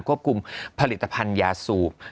กลุ่มผลิตภัณฑ์ยาสูบ